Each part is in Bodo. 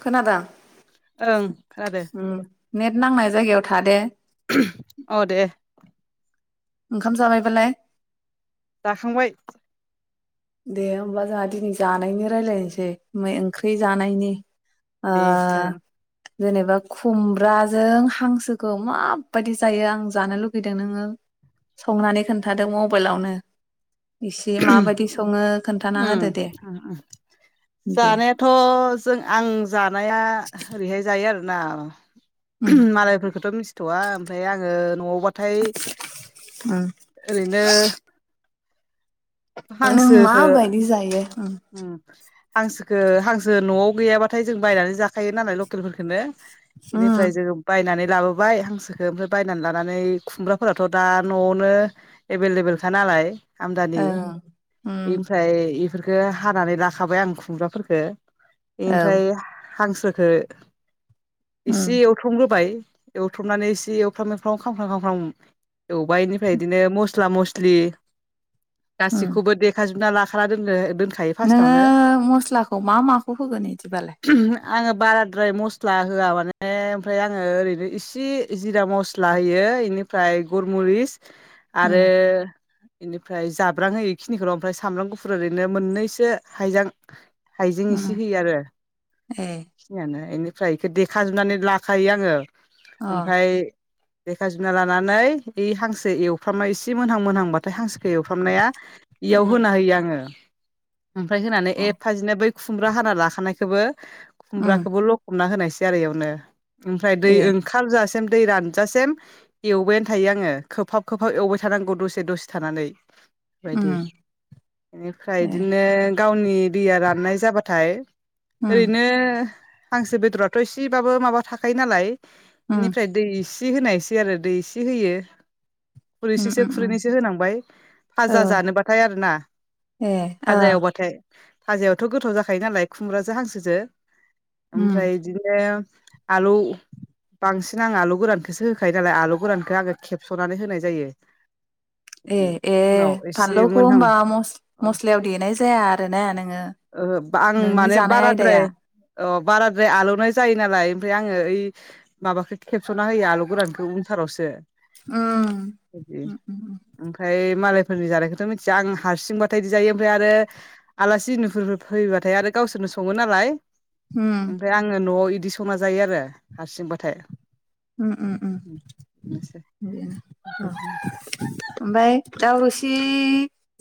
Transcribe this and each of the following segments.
खोनादों ओं खोनादो उम नेत नांनाय जायगायाव थादो अ दे ओंखाम जाबायबालाय जाखांबाय दे होमबा जोंहा दिनै जानायनि रायजलायनोसै मै ओंख्रि जानायनि ओ दे जागोन जेनेबा खुमब्राजों हांसोखौ माबायदि जायो आं जानो लुगैदों नोङो संनानै खोन्थादों मबाइलावनो एसे माबादि उम दे जानायाथ' जों आं जानाया ओरैहाय जायो बे आरो ना उम मालायफोरखौथ' मिथिथ'वा ओमफ्राय आङो न'आवबाथाय उम ओरैनो नों हांसोखो माबायदि जायो उम हांसोखो हांसो न'आव गैयाबाथाय जों बायनानै जाखायो नालाय लकेल फोरखोनो उम बेनिफ्राय जोङो बायनानै लाबोबाय हांसोखो ओमफ्राय बायनानै लानानै खुमब्राफोराथ' दा न'आवनो एभेलेबेलखा नालाय आमदानि ओं उम इमफ्राय इफोरखो हानानै लाखाबाय आं खुमब्राफोरखो औ बेमफ्राय हांसोखो उम एसे एवथ्रमग्रोबाय एवथ्रमनानै एसे एवफ्राम एवफ्राम खामफ्राम खामफ्राम एवबाइ इनिफ्राय इदिनो मस मस्ला मस्लि उम गासिखौबो देखाजोबना ला खाना दोननो दोन नोङो मस्लाखौ मा माखौ होगोन इदिबालाय आङो बाराद्राय मस्ला होआ माने ओमफ्राय आङो ओरैनो इसे जिरा मस्ला होयो बेनिफ्राय गरमुरिस उम आरो इनिफ्राय जाब ब्रां होयो खिनिखौल' ओमफ्राय सामब्राम गुफुर ओरैनो मोननैसो हाइजां हाइजें एसे होयो आरो बेखिनियानो एनि फ्राय इखौ देखाजोबनानै लाखायो आङो ओमफाय लेखा जुना लानानै इ हांसो एवफ्रामबाय एसे मोनहां मोनहांबाथाय हांसोखौ एवफ्रामना इयाव होना होयो आङो ओमफ्राय होनानै एफाजिनो बै खुमब्रा हाना लाखानायखौबो खुमब्राखौबो लखबना होनायसै [unintelligible] ओमफ्राय दै ओंखार जासि दम दै रानजासेम एवबायानो थायो आङो खोबहाब खोबहाब एवबाय थानांगौ दसे दसे थानानै बायदि इनिफ्राय इदिनो गावनि दैया राननाय जाबाथाय ओरैनो हांसो बेदरथ' एसेबाबो माबा थाखायो नालाय बिनिफ्राय दै इस सि होनायसै आरो दै इसे होयो खुरैसेसो खुरैनैसो होनांबाय फाजा जानोबाथाय आर ना फाजा एवबाथाय फाजायावथ' गोथाव जाखायो नालाय खुमब्राजो हांसोजो ओमफ्राय इदिनो आलौ बांसिन आं आलौ गोरानखौसो होखायो नालाय आलौ गोरानखौ आङो खेबस'नानै होनाय जायो। ए बिदि ए उनाव ए एसे फानलौखौ मोनहां होनबा मस मस्लायाव देनाय जाया [unintelligible] ओ बां नोंनि माने जानाय बाराद्राय आयदाया अ बाराद्राय आलौनाय जायो नालाय ओमफ्राय आङो ओइ माबाखौ खेबस'ना होयो आलौ गोरानखौ उनथारावसो उम उम ओमफ्राय मालाय नि जानाय'खथ मिथिया आं हारसिं बाथाय इदि जायो ओमफाय आरो आलासि नु फोर फैबाथाय आरो गावसोरनो सङो नालाय उम ओमफ्राय आङो न'आव इद बिदि सना जायो आरो हारसिंबाथाय उम उम उम बेनोसै बेनो अ बेबायदिनो ओमफ्राय दाउ रोसि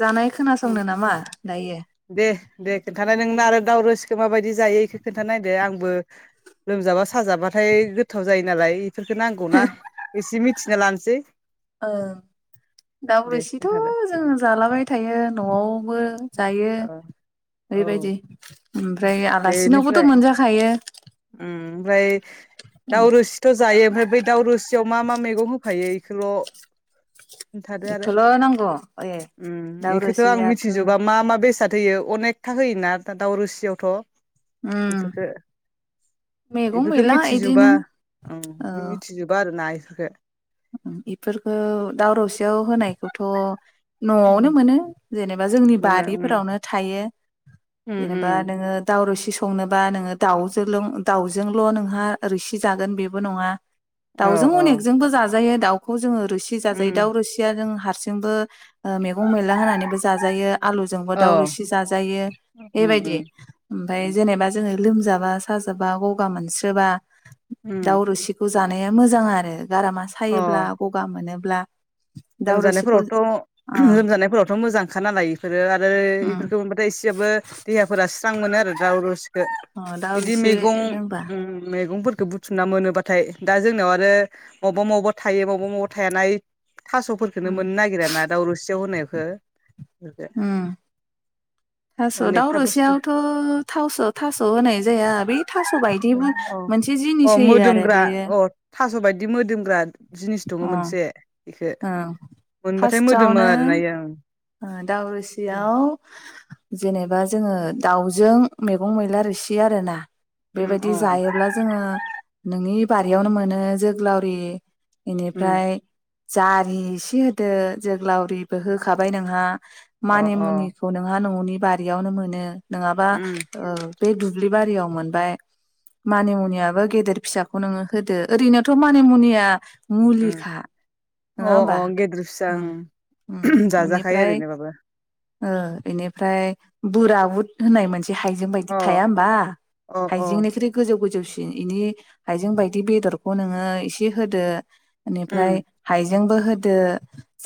जानाय खोनासंनो नामा दायो। दे दे खिन्थालाय नोंना आरो दावउरोसिखौ माबायदि जायो इखौ खोनन्थानाय दे आंबो लोमजाबा साजाबाथाय गोथाव जायो नालाय बेफोरखौ नांगौना एसे मिथिना लानोसै ओं दाउ दे रोसिथ' खोन्थादो जोङो जालाबाय थायो। न'आव बो जायो औ ओरैबायदि ओमफ्राय दे आलासिनावबोथ' बेनिफ्राय मोनजाखायो ओमफ्राय उम। दाउ रोसिथ' जायो ओमफ्राय बै दावरुस याव मा मा मैगं होफायो? खोल' इखौल' नांगौ ए दाउ रोसिया [unintelligible] बा मा मा बेसाद होयो अनेकथा होयोना दा दाउ रोसियावथ' उम इफोरखो मैगं इफोरखौ मैला मिथिजोबा इदिनो ओं औ मिथिजोबा आरोना [unintelligible] इफोरखौ दाव रसियाव होनायखौथ' न'आवनो मोनो। जेनेबा जोंनि मोनो उम बारिफोरावनो‌ थायो। उम जेनेबा उम नोङो दाव रोसि संनोबा नोङो दाउजोलों दाउजोंल' नोंहा रोसि जागोन बेबो नङा औ दाउजों औ अनेकजोंबो जा जायो दाउखौ जोङो रुसि जाजायो दाउ उम रोसिया जों हा सिंबो ओ मेगं मैला होनानैबो जाजायो आलुजोंबो औ दाउ रोसि जाजायो उम बेबायदि उम ओमफ्राय उम जेनेबा जोङो लोमजाबा साजाबा गगा मोनसोबा उम दाउ रोसिखौ जानाया मोजां आरो गारा अ सायोब्ला गगा मोनो ब्ला लोमजानायफोरावथ' लोमजानायफोरावथ' मोजांखा नालाय इफोरो आरो उम इफोरखौ मोनबाथाय एसेबाबो देहाफोरा स्रां मोनो आरो दाउ रो [unintelligible] अ दाउ इदि रोसि मेगं लोंबा ओम मेगंफोरखौ बुथुमना मोनोबा थाय दा जोंनाव आरो मवबा मवबा थायो मवबा मवबा थायाना थास'फोरखोनो उम मोननो नागिराना दाउरोसियाव होनायखो उम थास' दाव अनेकथा बुस्थु रोसियावथ' थावस' थास' होनाय जाया बै थास' बायदिबो अ मोनसे जिनिस अ होयो आरो मोदोमग्रा बेयो अ थास' बायदि जिनिस दङ अ मोनसे खो ओं मोनबाथाय मोदोमो फार्स्टआवनो आरोना इयो ओं ओ दाव रोसियाव जेनेबा जोङो दाउजों मेगं मैला रोसि आरोना उम बेबायदि अ जायोब्ला जोङो नोंनि बारियावनो मोनो जोग्लावरि उम इनिफ्राय जारि इसे होदो जोग्लावरिबो हो थाबाय नोंहा अ मानि अ मुनिखौ नोंहा न'नि बारियावनो मोनो नङाबा उम ओ बे दु दुब्लि बारियाव मोनबाय मानिमुनियाबो गेदेर फिसाखौ नोङो होदो ओरैनोथ' मानिमुनिया उम अ अ गेदेर फिसा ओं ओम उम जाजाखायो बेनिफ्राय ओरैनोबाबो ओ एनिफ्राय बोरा उद होननाय मोनसे बिदि हाइजें बायदि अ थाया होनबा अ अ हाइजेंनिख्रुइ गोजौ गोजौसि इनि हायजें बायदि बेदरखौ नोङो इसे होदो उम ओनिफ्राय हाइजेंबो हो दो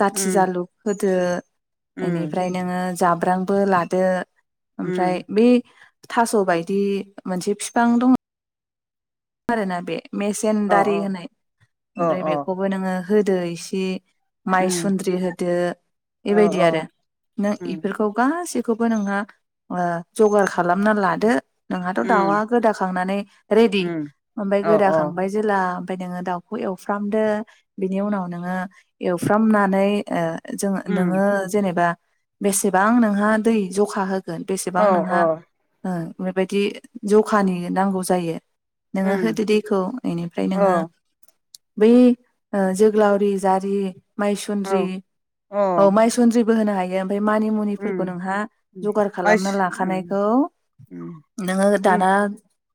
जाथि उम जालु दो उम एनिफ्राय नोङो जाब ब्रांबो लादो उम ओमफ्राय बै थास' बायदि मोनसे फिफां दङ आरो ना बेे मेसेन अ दारि होनाय अ ओमफ्राय बेखौबो नोङो होदो इसे अ माइ सुन्द्रि होदो अ बेबायदि आरो अ नों उम बेफोरखौ गासिबो खौबो नोंहा ओ जगार खालामना लादो नोंहाथ' उम दाउआ गोदाखांनानै रेडि उम ओमफाय अ अ गोदाखांबाय जेला ओमफफ्राय नोङो दाउखौ एवफ्रामदो बिनि उनाव नोङो एवफ्रामनानै ओ जोंङो नोङो उम जेनेबा बेसेबां नोंहा दै जखा हो गोन बेसेबां अ नोंहा अ ओं बेबायदि जखानि नांगौ जायो नोङो उम होदो दैखौ इनिफ्राय अ नोङो बै ओ जोगोलावरि जारि औ मायसुन्द्रि औ माइसुन्द्रि बो होनो हायो ओमफाय मानि मुनिफोरखौ उम नोंहा उम जगार माइस खालामना उम लाखानायखौ उम नोङो उम दाना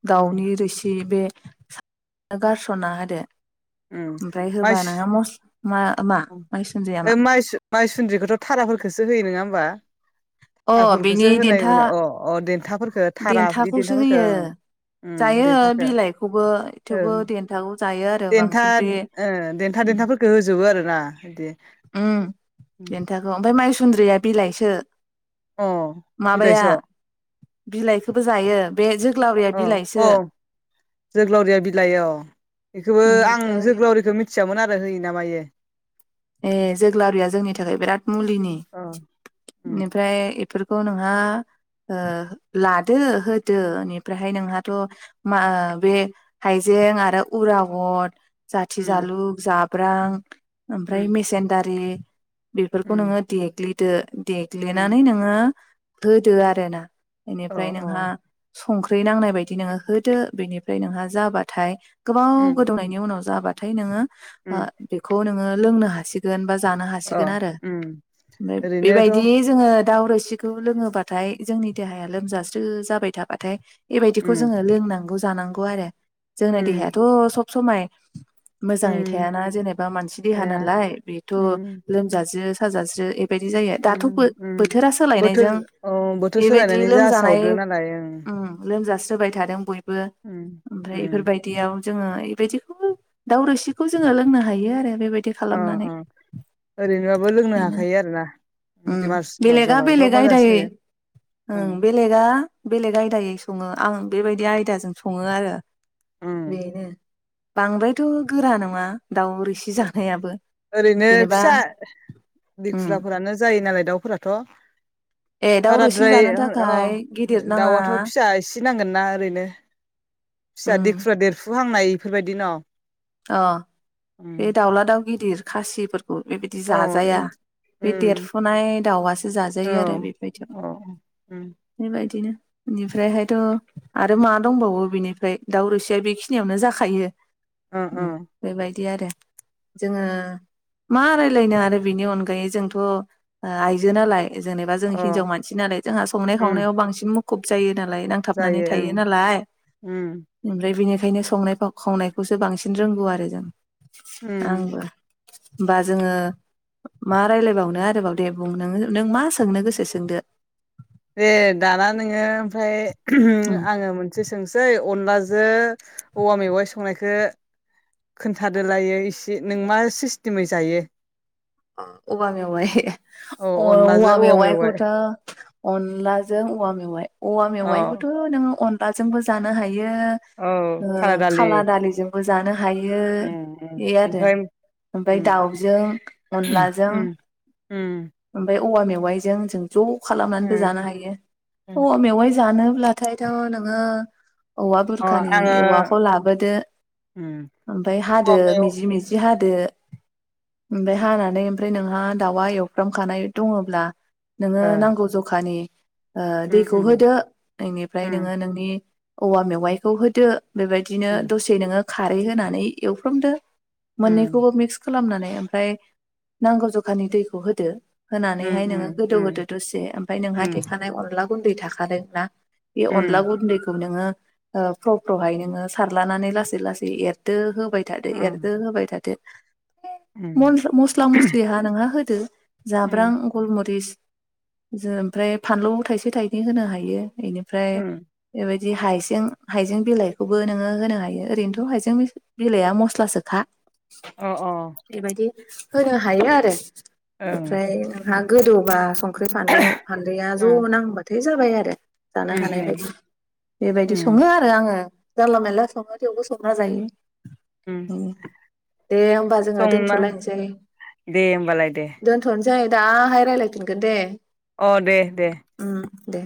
दावनि उम रोसि बे गारस'ना होदो ओमफ्राय होबा नोंहा मस मा माइसुन्द्रिया म मा माइंस माइसुन्द्रिखौथ' थाराफोरखौसो होयो नङा बा अ बिनि थाराफोखोसो होनाय देन्था मोनो अ अ देन्थाफोरफोरखो थारा बिदि देन्थाखौसो देन्थाफोरखौ होयो ओं जायो देन्थखौ बिलाइखौबो ओं थेवबो देन्थाखौ जायो आरो दन्था बांसिन बे देन्था देन्थाख होजोबो आरो आ‌ इदि उम देन्थाखौ ओमफाय माइ सुन्द्रिया बिलाइसो अ माबाया बिलाइसो बिलाइखौबो जायो बे जोग्लावरिया औ बिलाइसो औ जोग्लावरिया बिलाइ औ बेखौबो आं बेनिफ्राय जोग्लावरिखौ मिथि मिथियामोन आरो होयो ना मायो ए जोग्लावरिया जोंनि थाखाय बिराद मुलिनि अ उम बेनिफ्राय बेफोरखौ नोंहा ओ लादो होदो ओनिफ्रायहाय नोंहाथ' मा बे हायजें आरो उरावद जाथि उम जालु जाब्रां उम ओफ्राय मसेन दा दारि बेफोरखौ उम नोङो देग्लि दो उम देग्लिनानै नोङो होदो आरो ना अ एनिफ्राय नोंहा संख्रि नांनाय बायदि नोङो होदो बेनिफ्राय नोंहा जाबाथाय गोबाव उम गोदौनायनि उनाव जाबाथाय नोङो उम आ बेखौ नोङो लोंनो हासिगोन बा जानो अ हासिगोन आरो उम ओमफ्राय ओरैनोथ' बेबायदि जोङो दाउ रोसिखौ लोङोबाथाय जोंनि देहाया लोमजास्रो जाबाय थाबाथाय बेबायदिखौ उम जोङो लोंनांगौ जानांगौ आरो जोंनि उम देहायाथ' सब समाय मोजाङै उम थायाना जेनेबा मानसि हाया नालाय बेथ' उम लोमजा जो साजास्रो बेबायदि जायो दाथ' उम उम बोथोरा बोथोर सोलायनायजों औ बोथोर बेबायदि सोलायनानै जा लोमजानाय सावदो नालाय ओं उम लोमजा होबाय थादों बयबो बो उम ओमफ्राय उम एफोरबायदियाव जोङो एबायदिखौ दावरोसिखौ जोङो लोंनो हायो आरो बेबायदि बिदि अ खालामनानै अ ओरैनोबाबो लोंनो बेनो हाखायो आरोना उम बेमार सामार बेलेगा जाबाथ' बेलेग मोजांसो आयदायै जायो ओं बेलेगा बेलेग आयदायै सङो आं बेबायदि आयदाजों सङो आरो ओं बेनो बांद्रायथ' गोरा नङा दाउ रोसि जा ओरैनो फिसा उम देखुरफोरानो जायो नालाय दाउफोराथ' ए दाउ रोसि बाराद्राय जानो अ थाखाय गिदिर नाङा दाउआथ' फिसा एसे बि नांगोनना ओरैनो फिसा उम देखुरा देरफुहांनाय बेफोरबायदि न'? अ उम बे दाउला दउ गिदिर खासि बेबायदि औ जाजाया बे उम देरफुनाय दाउआसो जाजायो आरो बेबायदियाव बेबायदिनो बेनिफ्रायहायथ' आरो मा दंबावो बिनिफ्राय दाउरोसिया बेखिनियावनो जाखायो ओ उम ओ बेबायदि आरो जोङो मा रायलायनो आरो बिनि अनगायै जोंथ' ओ आइजो नालाय जेनेबा जों अ हिनजाव मानसि नालाय जोंहा संनाय उम खावनायाव बांसिन मुख खुब जायो नालाय नांथाबनानै जायो थायो ओं नालाय उम ओफ्राय बिनि ओंखायनो संनाय खावनायखौ बो बांसिन रोंगौ आरो जों उम आंबो होमबा जोङो मा रायजलायबावनो आरोबाव दे बुं नो नों मा सोंनो गोसो सोंदो। दे दाना नोङो ओमफ्राय उम आङो मोनसे सोंसै अनलाजों औवा मेवाइ संनायखौ खोन्थादोलायो इसे नों मा सिस्टेमै जायो। औवा मेवाइ औ अनलाजों औवा मेवाइ मेवाइखौथ' अनलाजों औवा मेवाइ औवा औ मेवाइखौथ' नोङो अन बाजोंबो जानो हायो। हायो औ ओ दालि खाला दालिजोंबो बो जानो हायो उम उम बे आरो ओमफ्राय ओमफाय उम दाउजों अनलाजों उम ओमफाय औवा मेवाइजों जों ज' खालामनानैबो जानो हायो औवा मेवाय जानो ब्लाथायथ' नोङो औवा ओ अ बुरखानि आङो औवाखौ लाबोदो ओमफाय औवा हादो मेव मिजि मिजि हादो दो ओम हानानै ओमफ्राय नोंहा दाउआ एवफ्रामखानाय दङब्ला नोङो ओ नांगौ जखानि ओ उम दैखौ उम होदो इनिफ्राय उम नोङो नोंनि औवा मेवाइखौ होदो बेबायदिनो उम दसे नोङो खारै होनानै एवफ्रामदो उम मोननैखौबो मिक्स खालामनानै ओमफाय नांगौ जखानि दैखौ होदो होनानैहाय नोङो उम गोदौ उम गोदो दुसे ओमफाय नोंहा उम उम देखानाय अनला गुन्दै थाखादों ना बे अनला उम गुन्दैखौ नोङो ओ फ्र फ्र हाय‌ नोङो सारलानानै लासै लासै एरदोब होबाय थादो उम एरदो होबाय थादो उम मन मस मस्ला मसलि होनाङा मा होदो जाब्रां उम गलमरिस जो ओमफ्राय फानलु थाइसे थाइनै होनो हायो बेनिफ्राय उम बेबायदि जि हाइजें हाइजें बिलाइखौबो नोङो होनो हायो ओरैनोथ' हाइजें बिलाइआ मस्लासोखा अ अ ओं बिबादि [inaudible] होनो हायो आरो ओ ओफ्राय नोंहा गोदौबा सं संख्रि फानलु हालदैया ज' नांबाथाय जाबाय आरो जानो उम हानाय उम बायदि बेबायदि उम सङो आरो आङो जानला मोनला सङो थेवबो संना जायो उम दे होमबा जोङो संना दोनथ'लायनोसै दे होमबालाय दे दोनथ'नोसै दाहाय रायजलायफिनगोन दे अ दे दे उम ओम दे